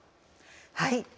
はい。